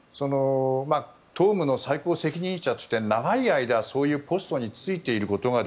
党務の最高責任者といって長い間、そういうポストに就いていることが。